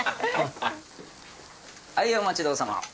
はいお待ちどおさま。